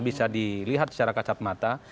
bisa dilihat secara kasat maksimal